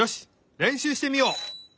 れんしゅうしてみよう！